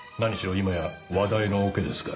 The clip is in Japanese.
今や話題のオケですから。